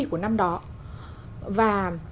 của năm đó và